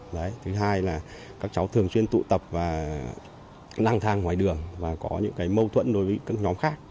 đấy thứ hai là các cháu thường chuyên